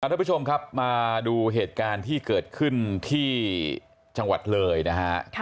ทุกผู้ชมครับมาดูเหตุการณ์ที่เกิดขึ้นที่จังหวัดเลยนะฮะ